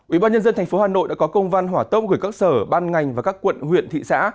ủy ban nhân dân tp hà nội đã có công văn hỏa tốc gửi các sở ban ngành và các quận huyện thị xã